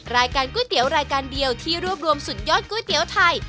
รายการก๋วยเตี๋ยวรายการเดียวที่รวบรวมสุดยอดก๋วยเตี๋ยวไทย